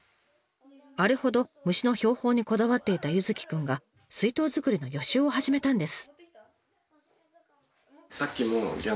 あれほど虫の標本にこだわっていた柚輝くんが水筒作りの予習を始めたんです。